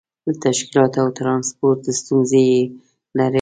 د تشکیلاتو او ترانسپورت ستونزې یې لرلې.